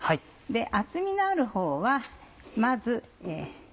厚みのあるほうはまず。